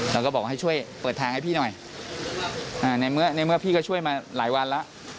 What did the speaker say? แล้วก็บอกว่าให้ช่วยเปิดทางให้พี่หน่อยในเมื่อในเมื่อพี่ก็ช่วยมาหลายวันแล้ว